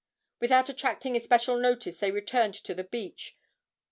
Without attracting especial notice they returned to the beach.